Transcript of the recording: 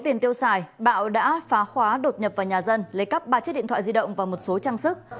tiền tiêu xài bạo đã phá khóa đột nhập vào nhà dân lấy cắp ba chiếc điện thoại di động và một số trang sức